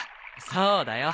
そうだよ。